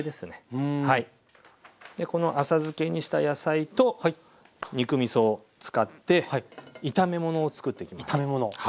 この浅漬けにした野菜と肉みそを使って炒め物をつくっていきます。